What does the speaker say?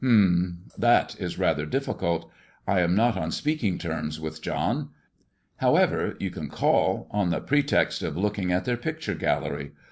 " Humph ! That is rather difficult. I am not on speak ing terms with John. However, you can call on the pretext of looking at their picture gallery.